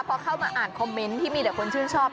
พอเข้ามาอ่านคอมเมนต์ที่มีแต่คนชื่นชอบ